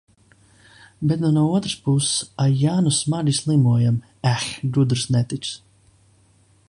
Bet nu no otras puses, a ja nu smagi slimojam, eh, gudrs netiksi...